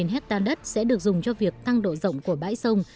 năm mươi hectare đất sẽ được dùng cho việc tăng độ rộng của bãi sông